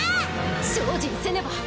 精進せねば。